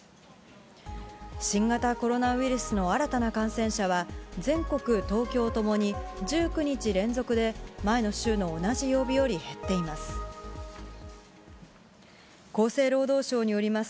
新型コロナウイルスの新たな感染者は、全国、東京ともに１９日連続で、前の週の同じ曜日より減っています。